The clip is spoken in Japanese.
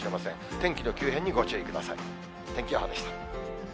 天気の急変にご注意ください。